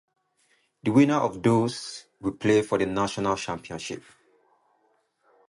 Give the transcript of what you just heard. The winner of those will play for the national championship.